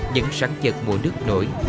những sáng chật mùa nước nổi